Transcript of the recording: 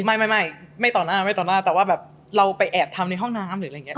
ไม่ไม่ต่อหน้าแต่ว่าแบบเราไปแอบทำในห้องน้ำ